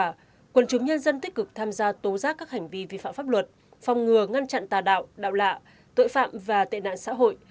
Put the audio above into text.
năm hai nghìn hai mươi bốn quần chúng nhân dân tích cực tham gia tố giác các hành vi vi phạm pháp luật phòng ngừa ngăn chặn tà đạo đạo lạ tội phạm và tệ nạn xã hội